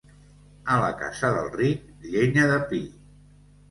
A la casa del ric, llenya de pi.